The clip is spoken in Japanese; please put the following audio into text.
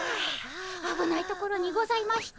あぶないところにございました。